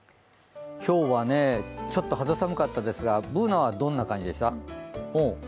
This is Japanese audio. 今日はね、ちょっと肌寒かったですがＢｏｏｎａはどんな感じでした？